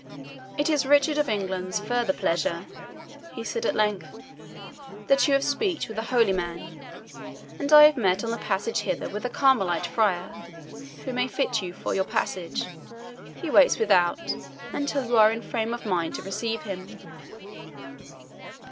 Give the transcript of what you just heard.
"It is Richard of England's further pleasure," he said at length, "that you have speech with a holy man; and I have met on the passage hither with a Carmelite friar, who may fit you for your passage. He waits without, until you are in a frame of mind to receive him."